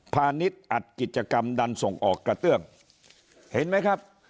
ณิชย์อัดกิจกรรมดันส่งออกกระเตื้องเห็นไหมครับ